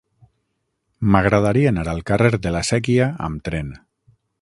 M'agradaria anar al carrer de la Sèquia amb tren.